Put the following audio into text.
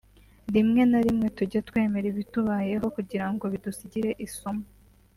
“Rimwe na rimwe tujye twemera ibitubayeho kugirango bidusigire isomo